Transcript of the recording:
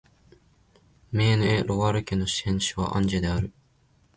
メーヌ＝エ＝ロワール県の県都はアンジェである